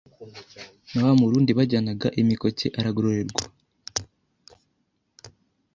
na wa murundi bajyanaga imikoke aragororerwa